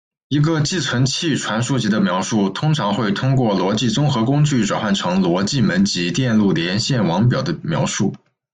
一个寄存器传输级的描述通常会通过逻辑综合工具转换成逻辑门级电路连线网表的描述。